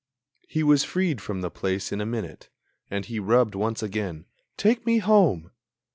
He was freed from the place in a minute; And he rubbed once again: "Take me home!"